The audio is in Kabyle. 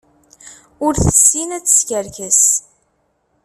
Ur tessin ad teskerkes.